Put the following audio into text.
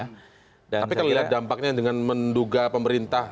tapi kalau lihat dampaknya dengan menduga pemerintah